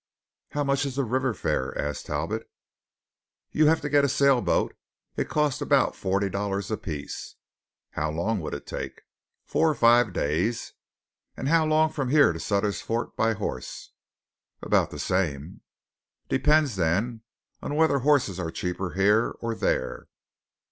"How much is the river fare?" asked Talbot. "You have to get a sailboat. It costs about forty dollars apiece." "How long would it take?" "Four or five days." "And how long from here to Sutter's Fort by horse?" "About the same." "Depends then on whether horses are cheaper here or there."